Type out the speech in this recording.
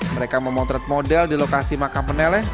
mereka memotret model di lokasi makam peneleh